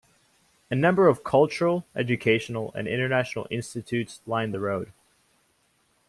A number of cultural, educational, and international institutions line the road.